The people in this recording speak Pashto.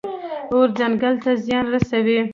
اور ځنګل ته زیان رسوي.